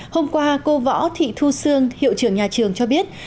hôm qua cô võ thị thu sương hiệu trưởng nhà trường cho biết